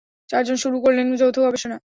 চারজন শুরু করলেন যৌথ গবেষণা।